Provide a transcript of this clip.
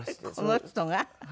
この人が？